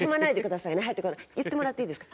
言ってもらっていいですか？